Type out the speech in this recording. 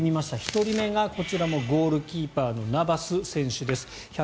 １人目がこちらのゴールキーパーのナバス選手です。